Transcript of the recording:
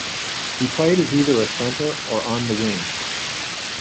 He played as either a centre or on the wing.